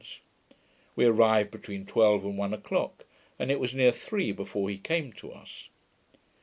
] We arrived between twelve and one o'clock, and it was near three before he came to us.